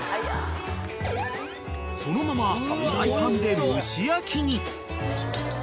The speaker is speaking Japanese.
［そのままフライパンで蒸し焼きに］